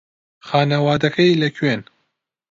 خانەوادەکەی لەکوێن؟